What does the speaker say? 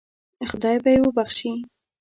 خدای به یې وبخشي.